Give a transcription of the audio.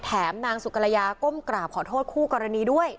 นางสุกรยาก้มกราบขอโทษคู่กรณีด้วย